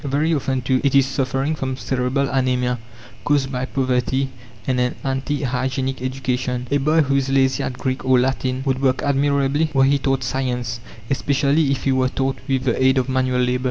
Very often, too, it is suffering from cerebral anæmia, caused by poverty and an anti hygienic education. A boy who is lazy at Greek or Latin would work admirably were he taught science, especially if he were taught with the aid of manual labour.